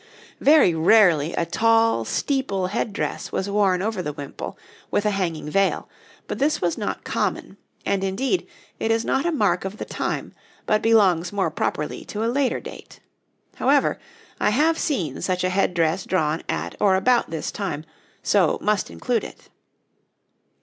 Very rarely a tall, steeple head dress was worn over the wimple, with a hanging veil; but this was not common, and, indeed, it is not a mark of the time, but belongs more properly to a later date. However, I have seen such a head dress drawn at or about this time, so must include it.